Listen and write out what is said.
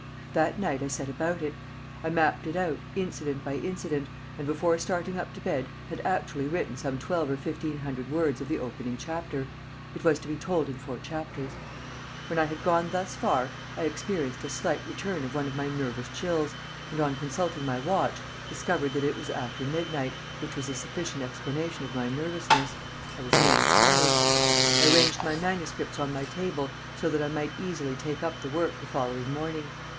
That night I set about it. I mapped it out, incident by incident, and before starting up to bed had actually written some twelve or fifteen hundred words of the opening chapter it was to be told in four chapters. When I had gone thus far I experienced a slight return of one of my nervous chills, and, on consulting my watch, discovered that it was after midnight, which was a sufficient explanation of my nervousness: I was merely tired. I arranged my manuscripts on my table so that I might easily take up the work the following morning.